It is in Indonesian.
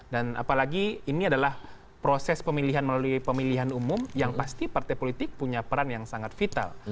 dan apalagi ini adalah proses pemilihan melalui pemilihan umum yang pasti partai politik punya peran yang sangat vital